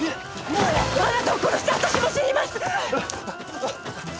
あなたを殺して私も死にます！